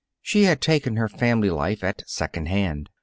She had taken her family life at second hand.